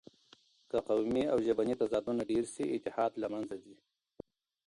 که قومي او ژبني تضادونه ډېر شي، اتحاد له منځه ځي.